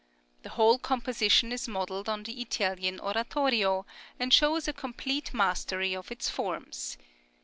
The whole composition is modelled on the Italian oratorio, and shows a complete mastery of its forms.